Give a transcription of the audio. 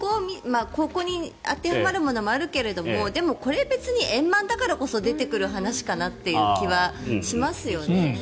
ここに当てはまるものもありますけどでもこれは別に円満だからこそ出てくる話かなという気はしますよね。